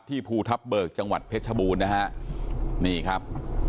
ภูทับเบิกจังหวัดเพชรชบูรณ์นะฮะนี่ครับ